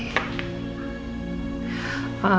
aduh gak diangkat lagi